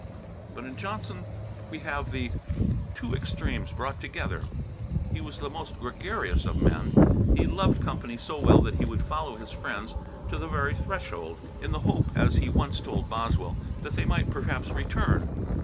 But in Johnson we have the two extremes brought together. He was the most gregarious of men; he loved company so well that he would follow his friends to the very threshold, in the hope, as he once told Boswell, that they might perhaps return.